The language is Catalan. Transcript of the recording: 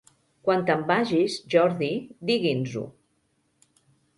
Quan te'n vagis, Jordi, digui'ns-ho.